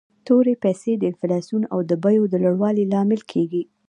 تورې پیسي د انفلاسیون او د بیو د لوړوالي لامل کیږي.